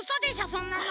そんなの。